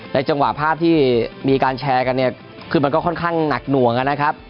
จังหวะภาพที่มีการแชร์กันเนี่ยคือมันก็ค่อนข้างหนักหน่วงนะครับ